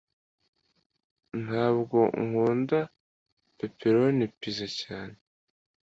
Ntabwo nkunda pepperoni pizza cyane